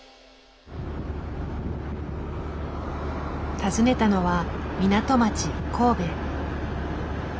訪ねたのは港町神戸。